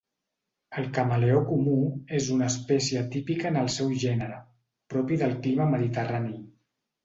El camaleó comú és una espècie típica en el seu gènere, propi del clima mediterrani.